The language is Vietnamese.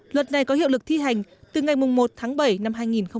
luật này có hiệu lực thi hành từ ngày một tháng bảy năm hai nghìn một mươi tám